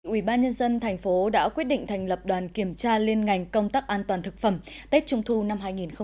ubnd tp đã quyết định thành lập đoàn kiểm tra liên ngành công tắc an toàn thực phẩm tết trung thu năm hai nghìn hai mươi